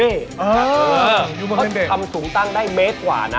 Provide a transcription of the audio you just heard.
เอออยู่บนเพศเด็กเขาทำสูงตั้งได้เมตรกว่านะ